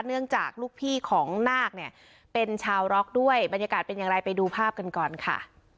เนื่องจากลูกพี่ของนาคเนี่ยเป็นชาวร็อกด้วยบรรยากาศเป็นอย่างไรไปดูภาพกันก่อนค่ะ